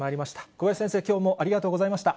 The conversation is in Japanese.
小林先生、きょうもありがとうございました。